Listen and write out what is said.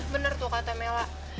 bener tuh kata mela